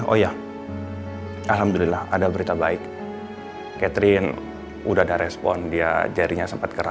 oh iya alhamdulillah ada berita baik catherine udah ada respon dia jarinya sempet kerak